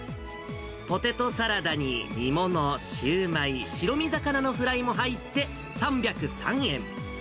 ポテトサラダに煮物、シウマイ、白身魚のフライも入って、３０３円。